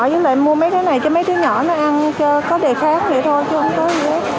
với lại mua mấy cái này cho mấy đứa nhỏ nó ăn cho có đề kháng vậy thôi